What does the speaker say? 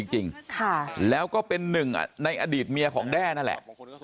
จริงแล้วก็เป็นหนึ่งในอดีตเมียของแด้นั่นแหละ